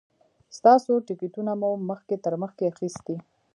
ستاسو ټکټونه مو مخکې تر مخکې اخیستي.